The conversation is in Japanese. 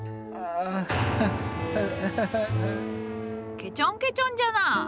けちょんけちょんじゃな。